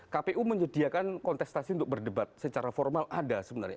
kpu menyediakan kontestasi untuk berdebat secara formal ada sebenarnya